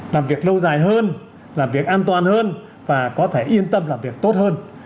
làm việc lâu dài hơn làm việc an toàn hơn và có thể yên tâm làm việc tốt hơn